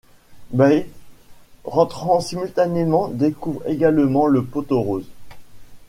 Bae rentrant simultanément découvre également le pot-aux-roses.